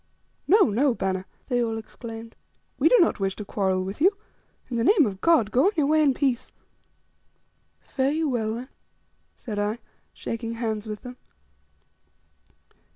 "No, no, bana," they all exclaimed; "we do not wish to quarrel with you. In the name of God! go on your way in peace." "Fare you well, then," said I, shaking hands with them.